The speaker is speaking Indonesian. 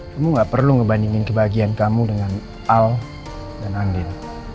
kamu gak perlu ngebandingin kebahagiaan kamu dengan al dan andil